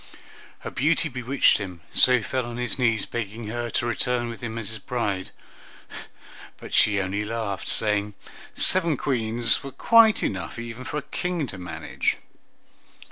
Her beauty bewitched him, so he fell on his knees, begging her to return with him as his bride; but she only laughed, saying seven Queens were quite enough even for a King to manage.